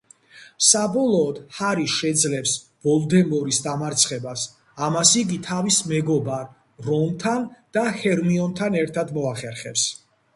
საბოლოოდ ჰარი შეძლებს ვოლდემორის დამარცხებას, ამას იგი თავის მეგობარ რონთან და ჰერმიონთან ერთად მოახერხებს.